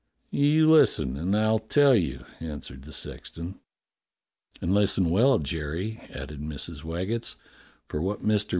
"You listen and I'll tell you," answered the sexton. "And listen well, Jerry," added Mrs. Waggetts, "for what Mister